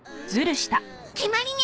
決まりね。